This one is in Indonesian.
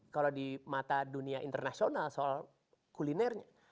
kalau di mata dunia internasional soal kulinernya